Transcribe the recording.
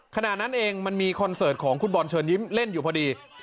ขณะนั้นเองมันมีคอนเสิร์ตของคุณบอลเชิญยิ้มเล่นอยู่พอดี